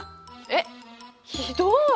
えっひどい！